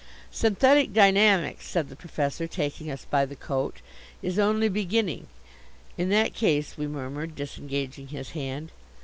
"Synthetic dynamics," said the Professor, taking us by the coat, "is only beginning " "In that case " we murmured, disengaging his hand.